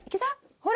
ほら。